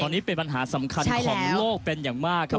ตอนนี้เป็นปัญหาสำคัญของโลกเป็นอย่างมากครับ